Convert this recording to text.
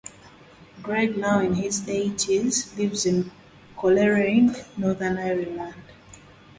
Gregg, now in his eighties, lives in Coleraine, Northern Ireland.